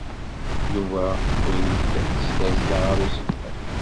Yuba wwin-t s tazzla ɣer usegnaf.